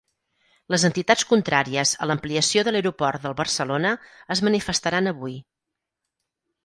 Les entitats contràries a l’ampliació de l’aeroport del Barcelona es manifestaran avui.